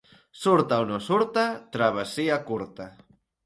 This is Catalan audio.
Surta o no surta, travessia curta.